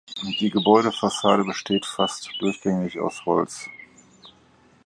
Die Gebäudefassade besteht fast durchgängig aus Holz.